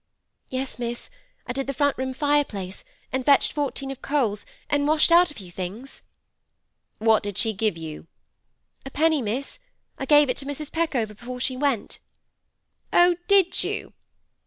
'Yes, miss; I did the front room fireplace, an' fetched fourteen of coals, an' washed out a few things.' 'What did she give you?' 'A penny, miss. I gave it to Mrs. Peckover before she went.' 'Oh, you did?